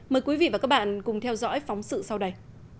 mời quý vị và các bạn cùng theo dõi phóng sự sau đây